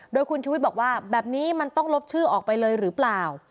โดยคุณชูวิทย์บอกว่าแบบนี้มันต้องลบชื่อออกไปเลยหรือเปล่า